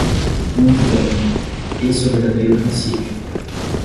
Muito bem! Esse é o verdadeiro princípio.